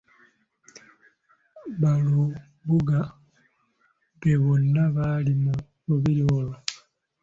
Balubuga be bonna bali mu lubiri olwo.